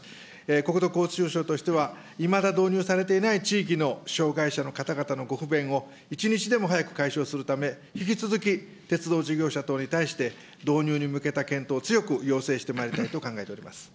国土交通省としては、いまだ導入されていない地域の障害者の方々のご不便を、一日でも早く解消するため、引き続き、鉄道事業者等に対して、導入に向けた検討を強く要請してまいりたいと考えております。